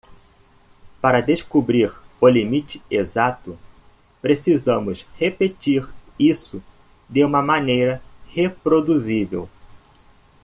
Para descobrir o limite exato?, precisamos repetir isso de uma maneira reproduzível.